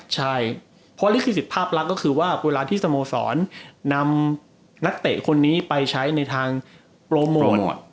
ใช่เพราะลิขสิทธิภาพลักษณ์ก็คือว่าเวลาที่สโมสรนำนักเตะคนนี้ไปใช้ในทางโปรโมท